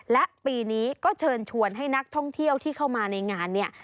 และปีนี้ก็เชิญชวนให้นักท่องเที่ยวที่เข้ามาในงานเนี่ย